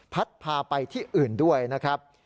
พาไปที่อื่นด้วยนะครับ